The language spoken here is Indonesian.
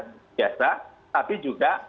biasa tapi juga